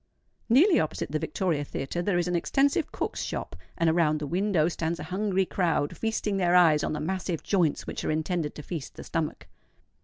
Nearly opposite the Victoria Theatre there is an extensive cook's shop; and around the window stands a hungry crowd feasting their eyes on the massive joints which are intended to feast the stomach.